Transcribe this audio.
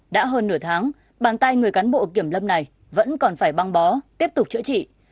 đã hơn nửa tháng bàn tay người cán bộ kiểm lâm này vẫn còn phải băng bó tiếp tục chữa trị